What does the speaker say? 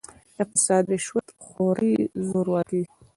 د «فساد، رشوت خورۍ، زورواکۍ